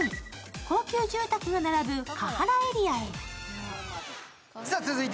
高級住宅が並ぶ、カハラエリアへ。